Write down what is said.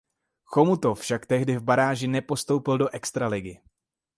Chomutov však tehdy v baráži nepostoupil do Extraligy.